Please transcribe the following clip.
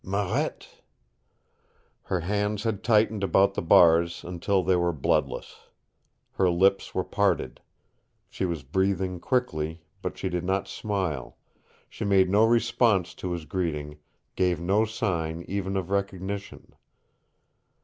"Marette!" Her hands had tightened about the bars until they were bloodless. Her lips were parted. She was breathing quickly, but she did not smile; she made no response to his greeting, gave no sign even of recognition.